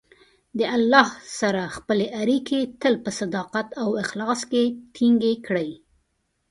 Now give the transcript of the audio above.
د الله سره خپلې اړیکې تل په صداقت او اخلاص کې ټینګې کړئ.